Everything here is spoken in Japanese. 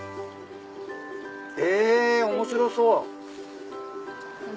え面白そう。